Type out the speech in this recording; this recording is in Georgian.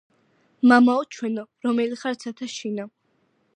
მამაო ჩვენო რომელი ხარ ცათა შინა